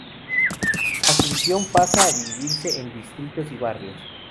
Asunción pasa a dividirse en distritos y barrios.